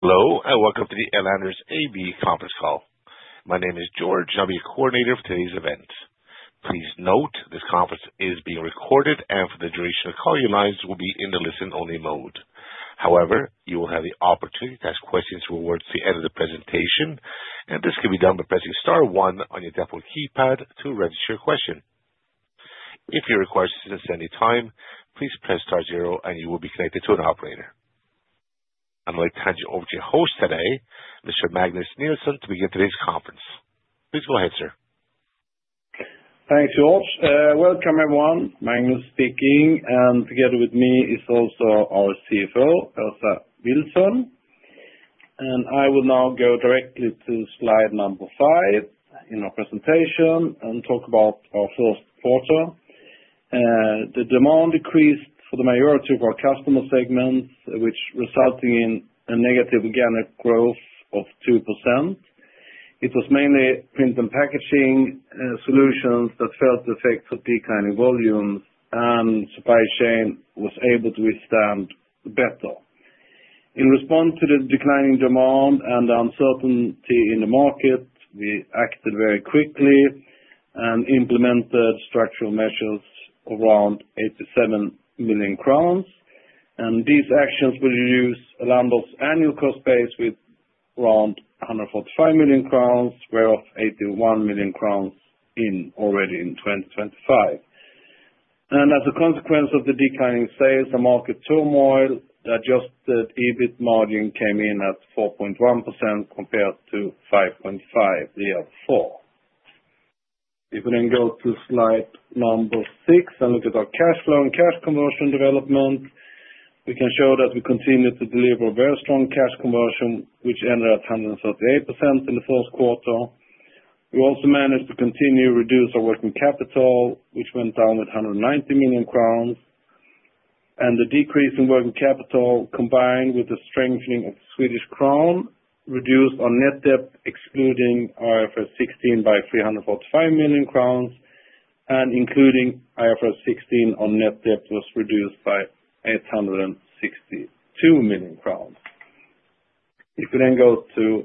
Hello, and welcome to the Elanders AB conference call. My name is George, and I'll be your coordinator for today's event. Please note this conference is being recorded, and for the duration of the call, your lines will be in the listen-only mode. However, you will have the opportunity to ask questions towards the end of the presentation, and this can be done by pressing star one on your default keypad to register your question. If your request isn't sent at any time, please press star zero, and you will be connected to an operator. I'd like to hand you over to your host today, Mr. Magnus Nilsson, to begin today's conference. Please go ahead, sir. Thanks, George. Welcome, everyone. Magnus speaking, and together with me is also our CFO, Åsa Vilsson. I will now go directly to slide number five in our presentation and talk about our first quarter. The demand decreased for the majority of our customer segments, which resulted in a negative organic growth of 2%. It was mainly Print & Packaging Solutions that felt the effect of declining volumes, and the Supply Chain Solutions was able to withstand better. In response to the declining demand and the uncertainty in the market, we acted very quickly and implemented structural measures around 87 million crowns. These actions will reduce Elanders' annual cost base with around 145 million crowns, whereof 81 million crowns already in 2025. As a consequence of the declining sales and market turmoil, the adjusted EBIT margin came in at 4.1% compared to 5.5% the year before. If we then go to slide number six and look at our cash flow and cash conversion development, we can show that we continue to deliver very strong cash conversion, which ended at 138% in the fourth quarter. We also managed to continue to reduce our working capital, which went down with 190 million crowns. The decrease in working capital, combined with the strengthening of the Swedish krona, reduced our net debt, excluding IFRS 16, by 345 million crowns, and including IFRS 16, our net debt was reduced by 862 million crowns. If we then go to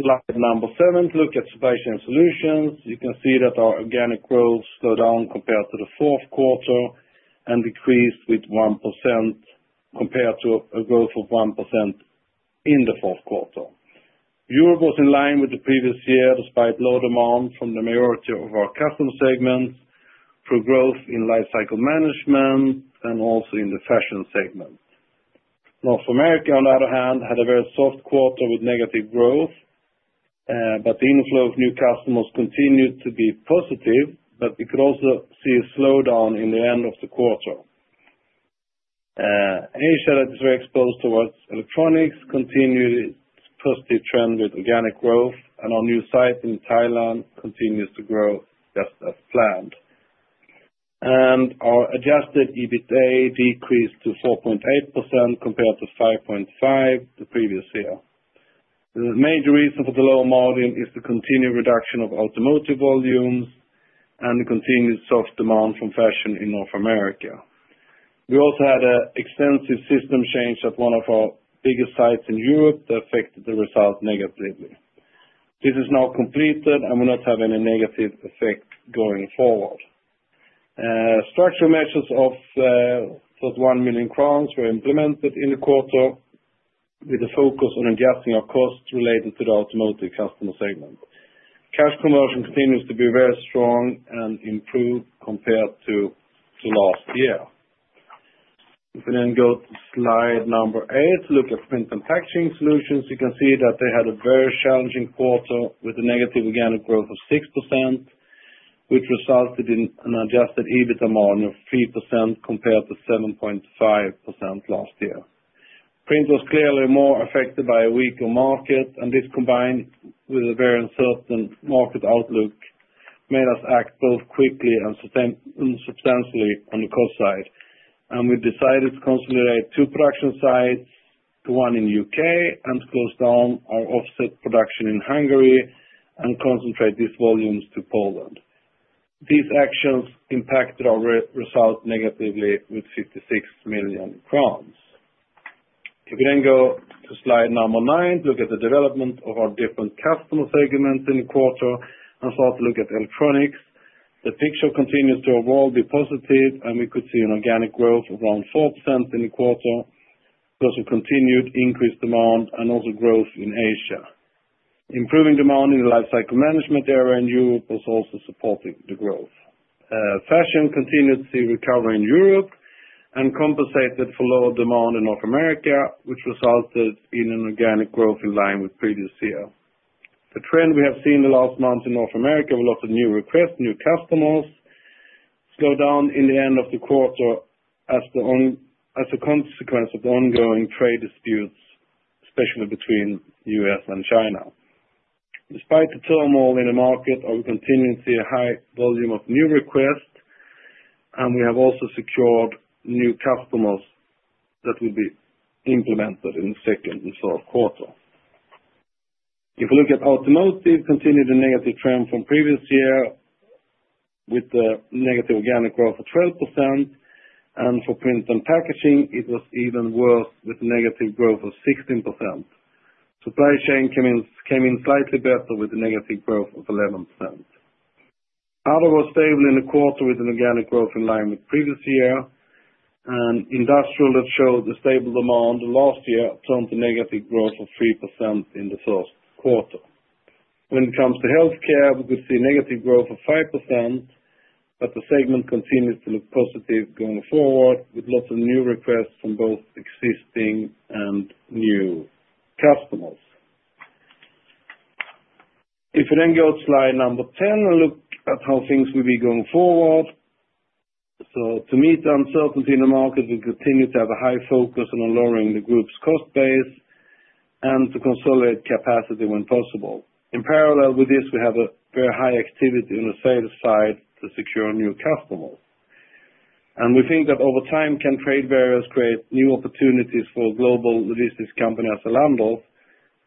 slide number seven to look at Supply Chain Solutions, you can see that our organic growth slowed down compared to the fourth quarter and decreased with 1% compared to a growth of 1% in the fourth quarter. Europe was in line with the previous year, despite low demand from the majority of our customer segments for growth in life cycle management and also in the fashion segment. North America, on the other hand, had a very soft quarter with negative growth, yet the inflow of new customers continued to be positive. We could also see a slowdown in the end of the quarter. Asia, that is very exposed towards electronics, continued its positive trend with organic growth, and our new site in Thailand continues to grow just as planned. Our adjusted EBITDA decreased to 4.8% compared to 5.5% the previous year. The major reason for the low margin is the continued reduction of automotive volumes and the continued soft demand from fashion in North America. We also had an extensive system change at one of our biggest sites in Europe that affected the result negatively. This is now completed, and we'll not have any negative effect going forward. Structural measures of 31 million crowns were implemented in the quarter with a focus on adjusting our costs related to the automotive customer segment. Cash conversion continues to be very strong and improved compared to last year. If we then go to slide number eight to look at Print & Packaging Solutions, you can see that they had a very challenging quarter with a negative organic growth of 6%, which resulted in an adjusted EBITDA margin of 3% compared to 7.5% last year. Print was clearly more affected by a weaker market, and this combined with a very uncertain market outlook made us act both quickly and substantially on the cost side. We decided to consolidate two production sites: one in the U.K. and to close down our offset production in Hungary and concentrate these volumes to Poland. These actions impacted our result negatively with 56 million crowns. If we then go to slide number nine to look at the development of our different customer segments in the quarter and start to look at electronics, the picture continues to overall be positive, and we could see an organic growth of around 4% in the quarter because of continued increased demand and also growth in Asia. Improving demand in the life cycle management area in Europe was also supporting the growth. Fashion continued to see recovery in Europe and compensated for lower demand in North America, which resulted in an organic growth in line with the previous year. The trend we have seen the last month in North America with lots of new requests, new customers, slowed down in the end of the quarter as a consequence of the ongoing trade disputes, especially between the U.S. and China. Despite the turmoil in the market, we continue to see a high volume of new requests, and we have also secured new customers that will be implemented in the second and third quarter. If we look at automotive, we continue the negative trend from the previous year with the negative organic growth of 12%, and for print and packaging, it was even worse with a negative growth of 16%. Supply chain came in slightly better with a negative growth of 11%. [Outer] was stable in the quarter with an organic growth in line with the previous year, and industrial that showed a stable demand last year turned to negative growth of 3% in the first quarter. When it comes to healthcare, we could see a negative growth of 5%, but the segment continues to look positive going forward with lots of new requests from both existing and new customers. If we then go to slide number 10 and look at how things will be going forward, to meet the uncertainty in the market, we continue to have a high focus on lowering the group's cost base and to consolidate capacity when possible. In parallel with this, we have a very high activity on the sales side to secure new customers. We think that over time, trade barriers can create new opportunities for global logistics companies such as Elanders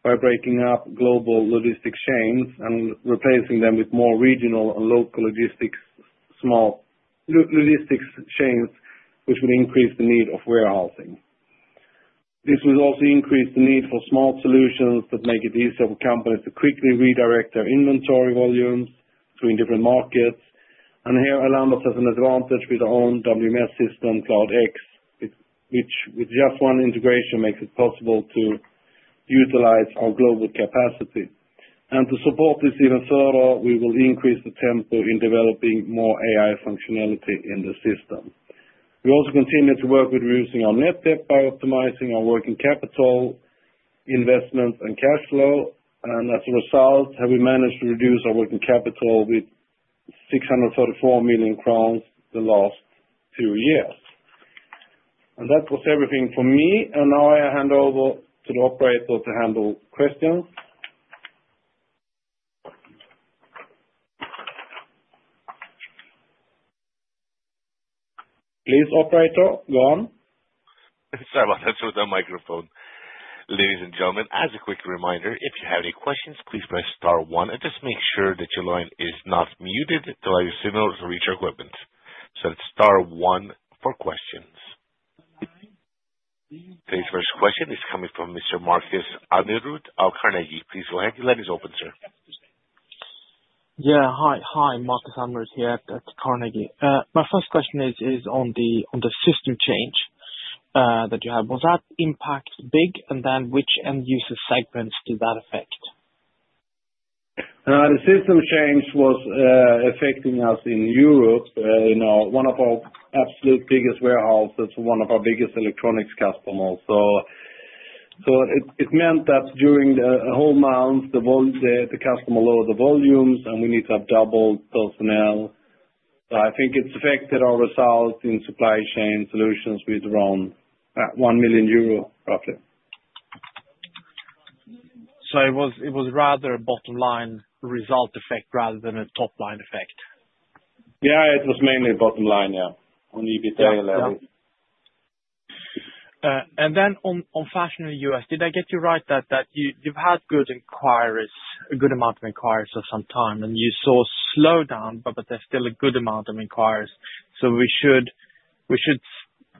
by breaking up global logistics chains and replacing them with more regional and local logistics chains, which will increase the need for warehousing. This will also increase the need for smart solutions that make it easier for companies to quickly redirect their inventory volumes between different markets. Here Elanders has an advantage with our own WMS system, CloudX, which with just one integration makes it possible to utilize our global capacity. To support this even further, we will increase the tempo in developing more AI functionality in the system. We also continue to work with reducing our net debt by optimizing our working capital investments and cash flow. As a result, we managed to reduce our working capital by 634 million crowns in the last two years. That was everything from me, and now I hand over to the operator to handle questions. Please, operator, go on. Sorry about that. The microphone, ladies and gentlemen, as a quick reminder, if you have any questions, please press star one and just make sure that your line is not muted to allow your signal to reach your equipment. It is star one for questions. Today's first question is coming from Mr. Marcus Almerud of Carnegie. Please go ahead and let his open, sir. Yeah. Hi, Marcus Almerud here at Carnegie. My first question is on the system change that you have. Was that impact big, and then which end-user segments did that affect? The system change was affecting us in Europe. One of our absolute biggest warehouses is one of our biggest electronics customers. It meant that during the whole month, the customer lowered the volumes, and we need to have double personnel. I think it's affected our result in Supply Chain Solutions with around 1 million euro, roughly. It was rather a bottom-line result effect rather than a top-line effect? Yeah, it was mainly bottom-line, yeah, on EBIT level. On fashion in the U.S., did I get you right that you've had a good amount of inquiries for some time, and you saw a slowdown, but there's still a good amount of inquiries?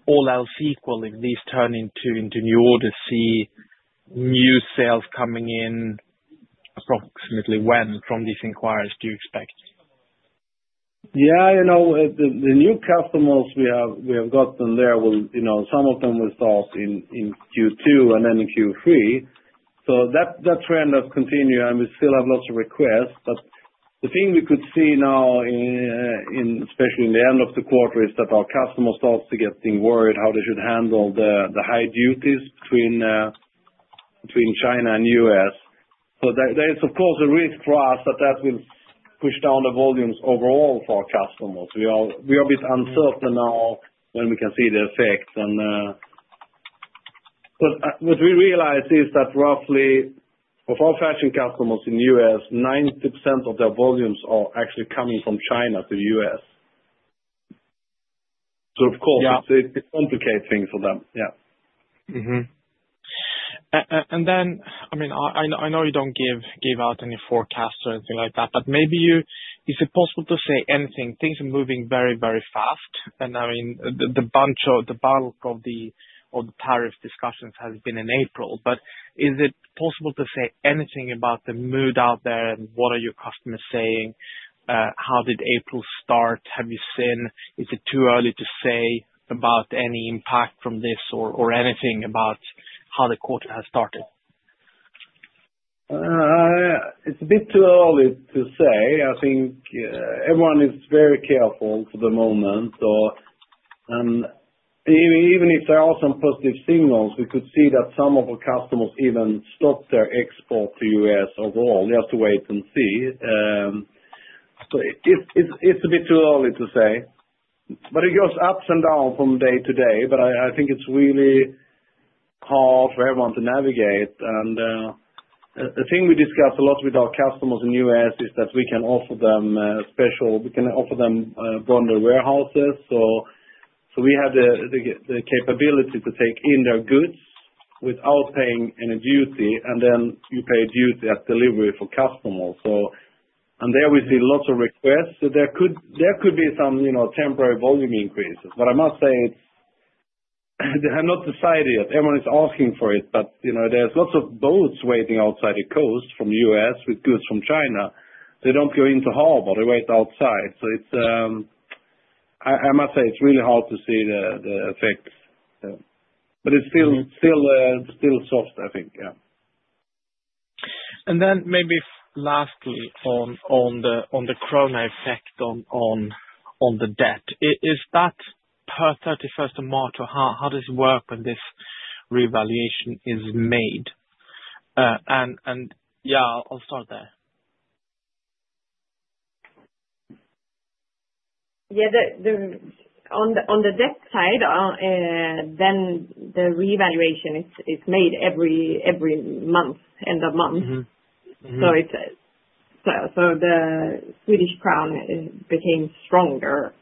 All else equal, if these turn into new orders, should we see new sales coming in approximately when from these inquiries do you expect? Yeah. The new customers we have gotten there will—some of them will start in Q2 and then in Q3. That trend has continued, and we still have lots of requests. The thing we could see now, especially in the end of the quarter, is that our customers start to get worried how they should handle the high duties between China and the U.S. There is, of course, a risk for us that that will push down the volumes overall for our customers. We are a bit uncertain now when we can see the effect. What we realize is that roughly, of all fashion customers in the U.S., 90% of their volumes are actually coming from China to the U.S. Of course, it's a complicated thing for them, yeah. I mean, I know you don't give out any forecasts or anything like that, but maybe is it possible to say anything? Things are moving very, very fast. I mean, the bulk of the tariff discussions has been in April. Is it possible to say anything about the mood out there and what are your customers saying? How did April start? Have you seen? Is it too early to say about any impact from this or anything about how the quarter has started? It's a bit too early to say. I think everyone is very careful for the moment. Even if there are some positive signals, we could see that some of our customers even stopped their export to the U.S. overall. We have to wait and see. It's a bit too early to say. It goes ups and downs from day to day, but I think it's really hard for everyone to navigate. The thing we discuss a lot with our customers in the U.S. is that we can offer them special—we can offer them bundled warehouses. We have the capability to take in their goods without paying any duty, and then you pay duty at delivery for customers. There we see lots of requests. There could be some temporary volume increases, but I must say they have not decided yet. Everyone is asking for it, but there's lots of boats waiting outside the coast from the U.S. with goods from China. They don't go into harbor, they wait outside. I must say it's really hard to see the effects, but it's still soft, I think, yeah. Maybe lastly, on the Krona effect on the debt, is that per 31st of March? How does it work when this reevaluation is made? I'll start there. Yeah. On the debt side, the reevaluation is made every month, end of month. The Swedish krona became stronger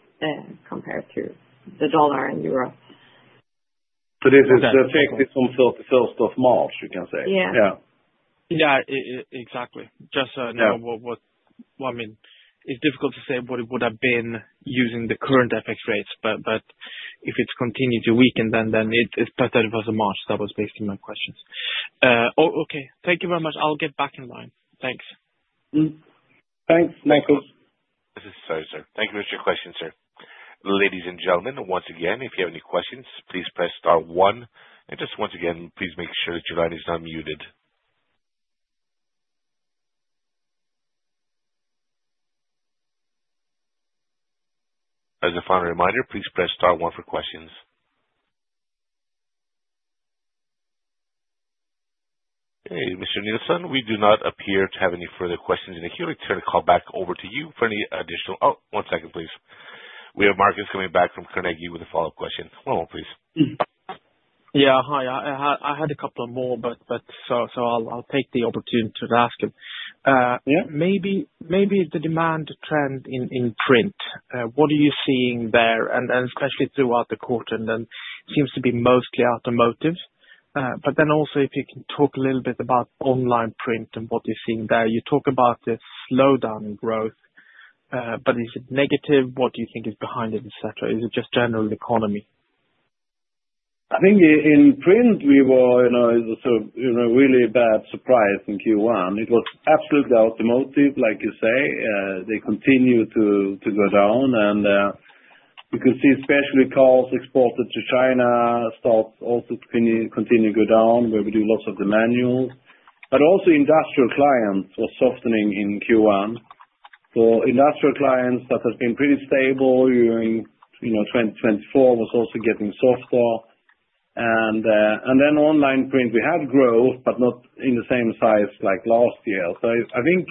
compared to the dollar and euro. Is this effective from 31st of March, you can say? Yeah Yeah. Yeah, exactly. Just now, I mean, it's difficult to say what it would have been using the current FX rates, but if it's continued to weaken, then it's per 31st of March. That was based on my questions. Okay. Thank you very much. I'll get back in line. Thanks. Thanks. Thank you. Sorry, sir. Thank you for your question, sir. Ladies and gentlemen, once again, if you have any questions, please press star one. Just once again, please make sure that your line is not muted. As a final reminder, please press star one for questions. Hey, Mr. Nilsson, we do not appear to have any further questions. If you would like to turn the call back over to you for any additional—oh, one second, please. We have Marcus coming back from Carnegie with a follow-up question. One moment, please. Yeah. Hi. I had a couple more, but I'll take the opportunity to ask it. Maybe the demand trend in print, what are you seeing there? Especially throughout the quarter, it seems to be mostly automotive. If you can talk a little bit about online print and what you're seeing there. You talk about the slowdown in growth, but is it negative? What do you think is behind it, etc.? Is it just general economy? I think in print, we were sort of really bad surprised in Q1. It was absolutely automotive, like you say. They continue to go down. You can see especially cars exported to China start also continue to go down where we do lots of the manuals. Also, industrial clients were softening in Q1. Industrial clients that have been pretty stable during 2024 were also getting softer. Online print, we had growth, but not in the same size like last year. I think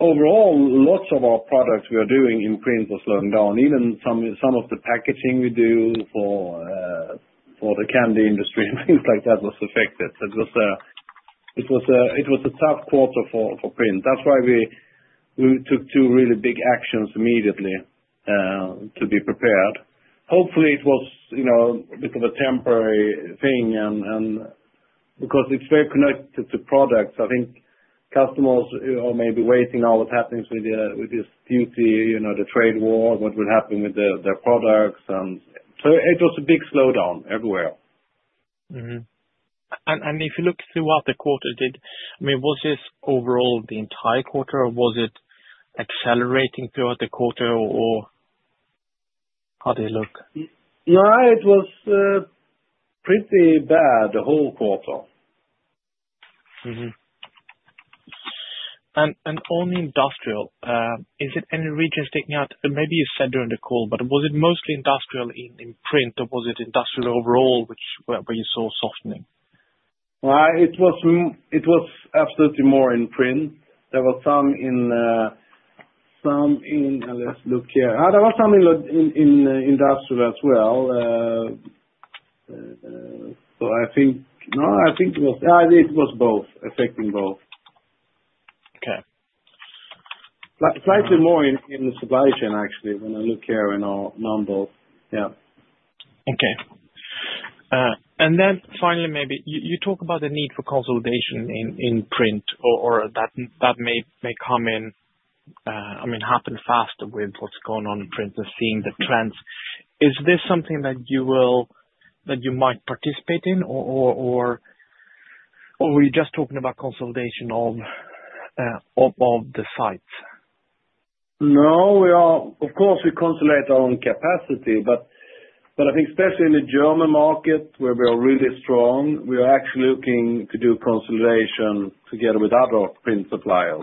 overall, lots of our products we are doing in print was slowing down. Even some of the packaging we do for the candy industry and things like that was affected. It was a tough quarter for print. That's why we took two really big actions immediately to be prepared. Hopefully, it was a bit of a temporary thing because it's very connected to products. I think customers are maybe waiting on what happens with this duty, the trade war, what will happen with their products. It was a big slowdown everywhere. If you look throughout the quarter, I mean, was this overall the entire quarter, or was it accelerating throughout the quarter, or how does it look? No, it was pretty bad the whole quarter. On industrial, is it any regions taking out? Maybe you said during the call, but was it mostly industrial in print, or was it industrial overall where you saw softening? It was absolutely more in print. There was some in—let's look here. There was some in industrial as well. I think, no, I think it was both, affecting both. Okay. Slightly more in the supply chain, actually, when I look here in our numbers. Yeah. Okay. Finally, maybe you talk about the need for consolidation in print, or that may come in, I mean, happen faster with what's going on in print and seeing the trends. Is this something that you might participate in, or were you just talking about consolidation of the sites? No. Of course, we consolidate our own capacity, but I think especially in the German market where we are really strong, we are actually looking to do consolidation together with other print suppliers.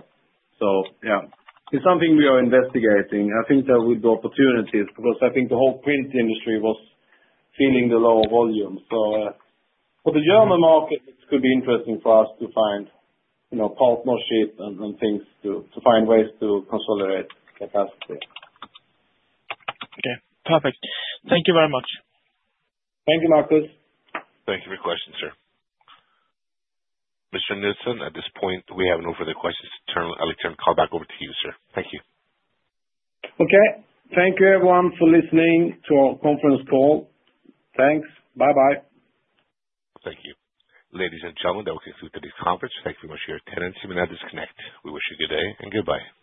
Yeah, it is something we are investigating. I think there will be opportunities because I think the whole print industry was feeling the lower volumes. For the German market, it could be interesting for us to find partnerships and things to find ways to consolidate capacity. Okay. Perfect. Thank you very much. Thank you, Marcus. Thank you for your questions, sir. Mr. Nilsson, at this point, we have no further questions. I'd like to turn the call back over to you, sir. Thank you. Okay. Thank you, everyone, for listening to our conference call. Thanks. Bye-bye. Thank you. Ladies and gentlemen, that will conclude today's conference. Thank you very much for your attendance. You may now disconnect. We wish you a good day and goodbye.